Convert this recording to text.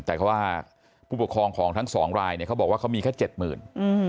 แต่เขาว่าผู้ปกครองของทั้งสองรายเนี่ยเขาบอกว่าเขามีแค่เจ็ดหมื่น